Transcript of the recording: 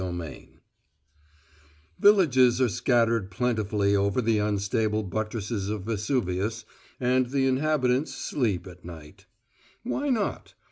CHAPTER NINE Villages are scattered plentifully over the unstable buttresses of Vesuvius, and the inhabitants sleep o' nights: Why not?